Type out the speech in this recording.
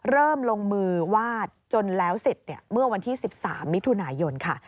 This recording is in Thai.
ลงมือวาดจนแล้วเสร็จเมื่อวันที่๑๓มิถุนายนค่ะ